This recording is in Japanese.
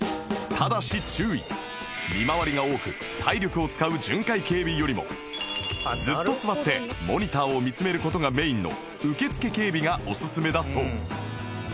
見回りが多く体力を使う巡回警備よりもずっと座ってモニターを見つめる事がメインの受付警備がおすすめだそう